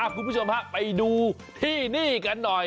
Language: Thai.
คุณผู้ชมฮะไปดูที่นี่กันหน่อย